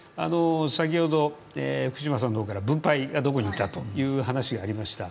先ほど福島さんから分配がどこにいったという話がありました。